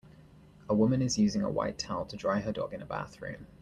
A woman is using a white towel to dry her dog in a bathroom.